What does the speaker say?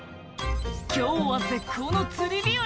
「今日は絶好の釣り日和」